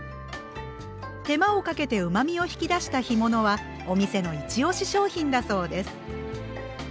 手間をかけてうまみを引き出した干物はお店の一押し商品だそうです。